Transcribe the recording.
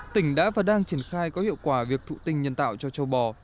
tỉnh đã và đang triển khai có hiệu quả việc thụ tinh nhân tạo cho châu bò